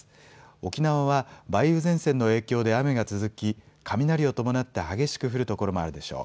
沖縄は梅雨前線の影響で雨が続き雷を伴って激しく降る所もあるでしょう。